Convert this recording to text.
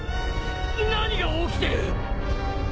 何が起きてる！？